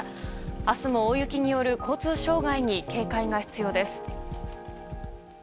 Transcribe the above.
明日も大雪による交通障害に警戒が必要です。